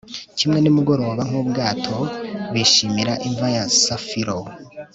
kimwe nimugoroba nk'ubwato bishimira imva ya safiro